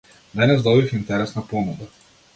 Денес добив интересна понуда.